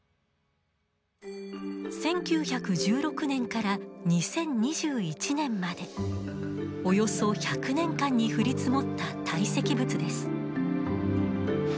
１９１６年から２０２１年までおよそ１００年間に降り積もった堆積物です。